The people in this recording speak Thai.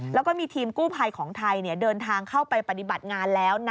แล้วก็มีทีมกู้ภัยของไทยเดินทางเข้าไปปฏิบัติงานแล้ว